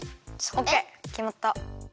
オッケーきまった。